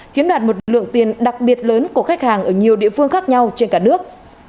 chiếm đoạt một lượng tiền đặc biệt lớn của khách hàng ở nhiều địa phương khác nhau trên cả nước